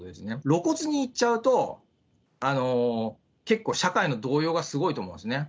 露骨に言っちゃうと、結構社会の動揺がすごいと思うんですね。